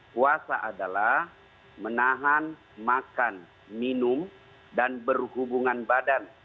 puasa adalah menahan makan minum dan berhubungan badan